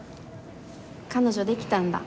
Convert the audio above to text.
彼女できたんだ？